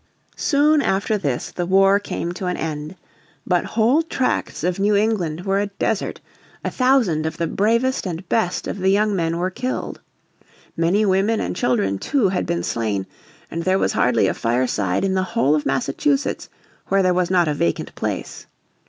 Soon after this the war came to an end. But whole tracts of New England were a desert, a thousand of the bravest and best of the young men were killed. Many women and children, too, had been slain, and there was hardly a fireside in the whole of Massachusetts where there was not a vacant place.